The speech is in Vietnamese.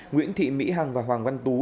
nguyễn thị mỹ hằng và hoàng văn tú